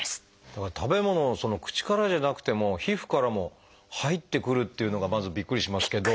だから食べ物口からじゃなくても皮膚からも入ってくるっていうのがまずびっくりしますけど。